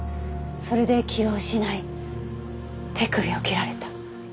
それで気を失い手首を切られた。